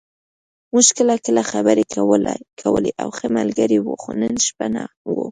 موږ کله کله خبرې کولې او ښه ملګري وو، خو نن شپه نه و.